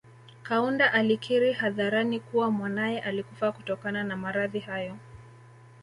Kaunda alikiri hadharani kuwa mwanaye alikufa kutokana na maradhi hayo